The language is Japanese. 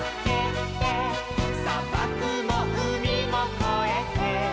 「さばくもうみもこえて」